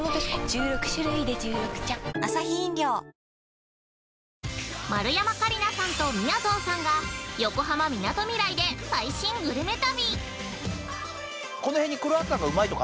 十六種類で十六茶◆丸山桂里奈さんとみやぞんさんが、横浜・みなとみらいで最新グルメ旅。